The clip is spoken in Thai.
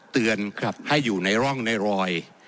เตือนครับให้อยู่ในร่องในรอย